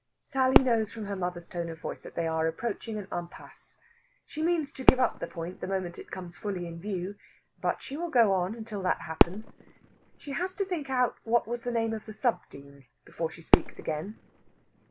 Sally knows from her mother's tone of voice that they are approaching an impasse. She means to give up the point the moment it comes fully in view. But she will go on until that happens. She has to think out what was the name of the Sub Dean before she speaks again.